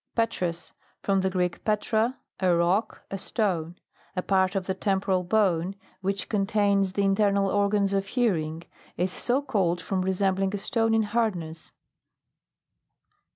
PETROUS. From the Greek, petra, a rock, a stone. A part of the tem poral bone, which contains the in ternal organs of hearing, is so called from resembling a stone in hardness.